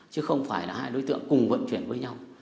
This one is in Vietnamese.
chứ không phải là hai đối tượng cùng vận chuyển với nhau